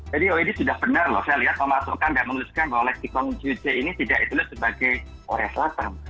jadi oid sudah benar loh saya lihat kalau masukkan dan menuliskan bahwa meksikon juche ini tidak ditulis sebagai korea selatan